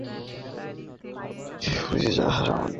আমি এমন কাউকে খুঁজছি যে জারের সাথে আমাদের যোগাযোগ করিয়ে দেবে।